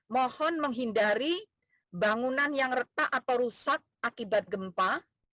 mohon menghindari bangunan yang retak atau rusak akibat gempa